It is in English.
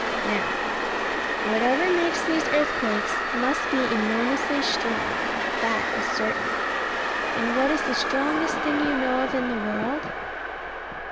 Now, whatever makes these earthquakes must be enormously strong; that is certain. And what is the strongest thing you know of in the world?